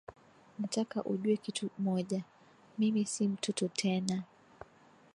Nataka ujue kitu moja, mimi si mtoto tena!